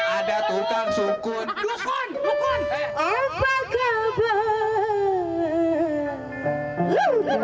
ada tukang sukun